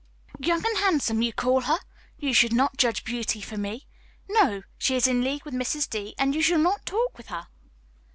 "Young and handsome, you call her! You should not judge beauty for me. No, she is in league with Mrs. D., and you shall not talk with her."